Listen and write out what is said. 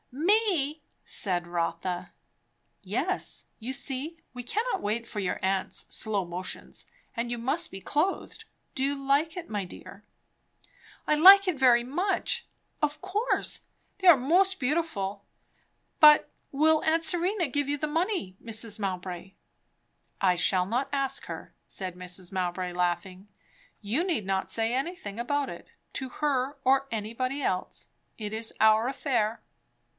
"Me?" said Rotha. "Yes. You see, we cannot wait for your aunt's slow motions, and you must be clothed. Do you like it, my dear?" "I like it very much of course they are most beautiful; but will aunt Serena give you the money, Mrs. Mowbray?" "I shall not ask her," said Mrs. Mowbray laughing. "You need not say anything about it, to her or anybody else. It is our affair.